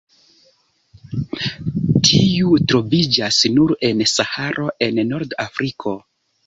Tiu troviĝas nur en Saharo en Nord-Afriko.